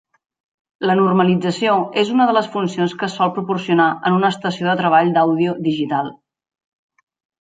La normalització és una de les funcions que es sol proporcionar en una estació de treball d'àudio digital.